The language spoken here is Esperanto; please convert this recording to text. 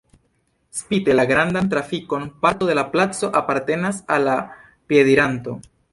Spite la grandan trafikon parto de la placo apartenas al la piedirantoj.